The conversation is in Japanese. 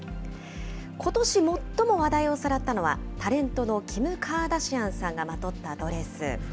ことし最も話題をさらったのは、タレントのキム・カーダシアンさんがまとったドレス。